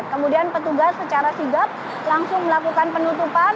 kemudian petugas secara sigap langsung melakukan penutupan